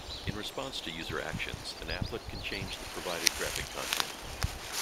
In response to user actions, an applet can change the provided graphic content.